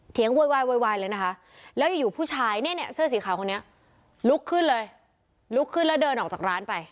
โวยวายโวยวายเลยนะคะแล้วอยู่ผู้ชายเนี่ยเสื้อสีขาวคนนี้ลุกขึ้นเลยลุกขึ้นแล้วเดินออกจากร้านไป